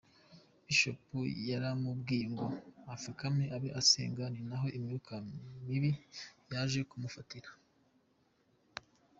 Bishop yariyamubwiye ngo apfukame abe asenga ninaho imyukamubi yaje kumufatira.